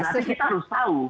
jadi kita harus tahu